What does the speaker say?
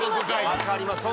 分かります。